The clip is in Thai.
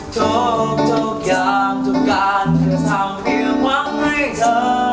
ทุกอย่างทุกการเธอทำเดียวกว่าให้เธอ